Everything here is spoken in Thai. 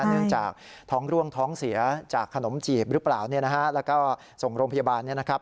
เนื่องจากท้องร่วงท้องเสียจากขนมจีบหรือเปล่าแล้วก็ส่งโรงพยาบาลนะครับ